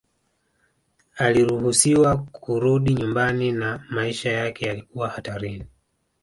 Aliruhusiwa kurudi nyumbani na maisha yake yalikuwa hatarini